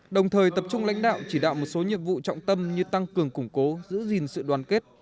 đồng thời tập trung lãnh đạo chỉ đạo một số nhiệm vụ trọng tâm như tăng cường củng cố giữ gìn sự đoàn kết